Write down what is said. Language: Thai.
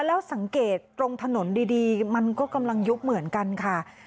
แล้วสังเกตตรงถนนดีมันก็กำลังยุบเหมือนกันค่ะ